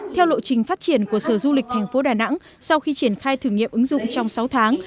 theo lộ trình phát triển của sở du lịch thành phố đà nẵng sau khi triển khai thử nghiệm ứng dụng trong sáu tháng